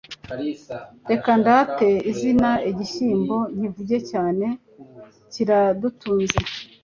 Reka ndate izina igishyimbo Nkivuge cyane kiradutunze